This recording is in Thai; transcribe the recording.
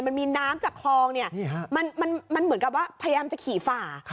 มันมีน้ำจากคลองเนี่ยมันเหมือนกับว่าพยายามจะขี่ฝ่า